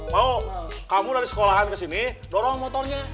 mau kamu dari sekolahan ke sini dorong motornya